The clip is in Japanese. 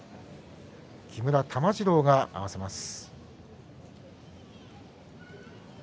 木村玉治郎が合わせます。